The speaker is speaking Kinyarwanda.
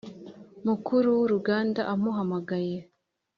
mukuru wuruganda amuhamagaye